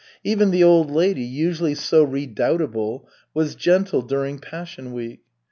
Even the old lady, usually so redoubtable, was gentle during Passion Week.